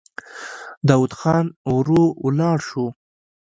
داوود خان ورو ولاړ شو.